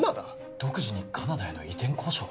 独自にカナダへの移転交渉！？